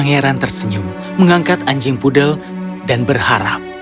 sang pangeran tersenyum mengangkat anjing poodle dan berharap